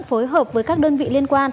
phối hợp với các đơn vị liên quan đến